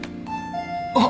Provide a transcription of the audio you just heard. あっ！